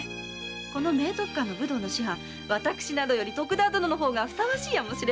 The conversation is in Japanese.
この明徳館の武道の師範私などより徳田殿の方がふさわしいやもしれませぬ。